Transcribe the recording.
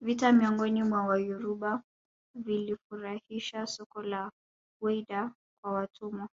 vita miongoni mwa Wayoruba vilifurisha soko la Whydah kwa watumwa